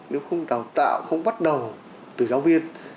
nếu không đào tạo không bắt đầu từ giáo viên